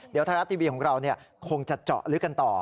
เดี๋ยวไทยรัฐทีวีของเราคงจะเจาะลึกกันต่อ